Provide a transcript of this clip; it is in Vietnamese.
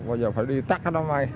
bây giờ phải đi tắt cái đó mấy